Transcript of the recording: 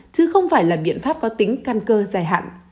chứ không phải là biện pháp có tính căn cơ dài hạn